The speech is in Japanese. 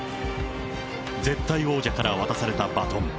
絶対王者から渡されたバトン。